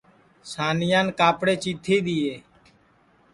سانیان کاپڑے چیتھی دؔیئے